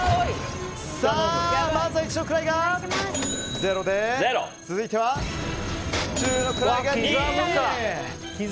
まずは一の位が０。続いては、十の位が２。